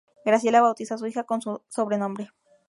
Graciela bautiza a su hija con su sobrenombre.